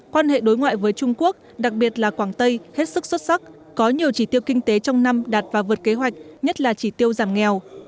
quan hệ đối ngoại với trung quốc đặc biệt là quảng tây hết sức xuất sắc có nhiều chỉ tiêu kinh tế trong năm đạt và vượt kế hoạch nhất là chỉ tiêu giảm nghèo